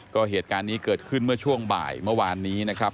ก็เหตุการณ์นี้เกิดขึ้นเมื่อช่วงบ่ายเมื่อวานนี้นะครับ